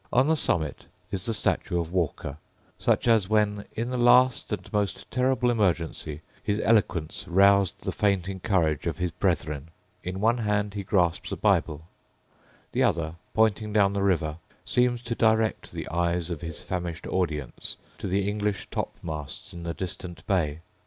On the summit is the statue of Walker, such as when, in the last and most terrible emergency, his eloquence roused the fainting courage of his brethren. In one hand he grasps a Bible. The other, pointing down the river, seems to direct the eyes of his famished audience to the English topmasts in the distant bay.